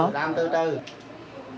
từ từ từ từ từ từ từ từ